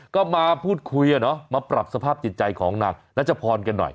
ก็มาพูดคุยมาปรับสภาพจิตใจของนางรัชพรกันหน่อย